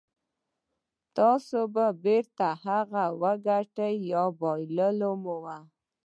تاسې به بېرته هغه څه وګټئ چې بايللي مو وو.